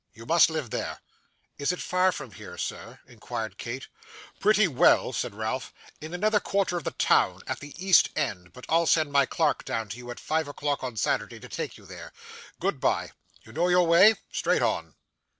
You must live there.' 'Is it far from here, sir?' inquired Kate. 'Pretty well,' said Ralph; 'in another quarter of the town at the East end; but I'll send my clerk down to you, at five o'clock on Saturday, to take you there. Goodbye. You know your way? Straight on.